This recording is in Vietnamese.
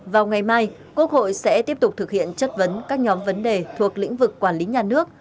vào ngày mai quốc hội sẽ tiếp tục thực hiện chất vấn các nhóm vấn đề thuộc lĩnh vực quản lý nhà nước